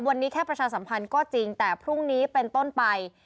วันนี้แค่ประชาสัมพันธ์ก็จริงแต่พรุ่งนี้เป็นต้นไป